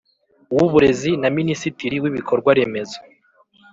w Uburezi na Minisitiri w Ibikorwa Remezo